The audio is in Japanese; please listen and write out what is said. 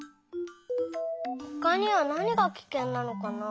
ほかにはなにがキケンなのかな？